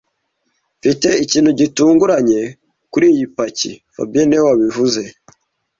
Mfite ikintu gitunguranye kuri iyi paki fabien niwe wabivuze